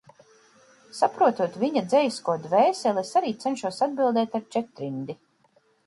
Saprotot viņa dzejisko dvēseli, es arī cenšos atbildēt ar četrrindi.